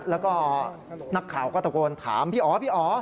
แล้วก็นักข่าวก็ตะโกนถามพี่อ๋อ